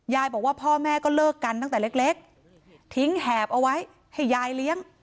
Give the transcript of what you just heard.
บอกว่าพ่อแม่ก็เลิกกันตั้งแต่เล็กทิ้งแหบเอาไว้ให้ยายเลี้ยง